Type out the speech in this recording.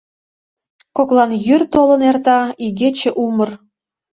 Коклан йӱр толын эрта, игече умыр.